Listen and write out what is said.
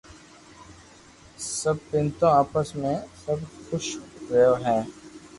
سب ڀينو آپس ميو سب خوݾ رھي ھي